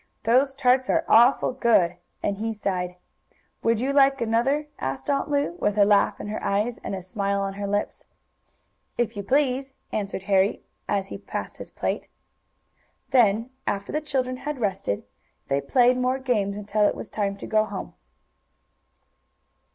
"Those tarts are awful good!" and he sighed. "Would you like another?" asked Aunt Lu, with a laugh in her eyes and a smile on her lips. "If you please," answered Harry, as he passed his plate. Then, after the children had rested, they played more games, until it was time to go home.